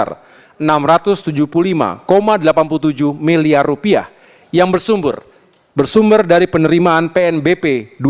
rp enam ratus tujuh puluh lima delapan puluh tujuh miliar yang bersumber dari penerimaan pnbp dua ribu dua puluh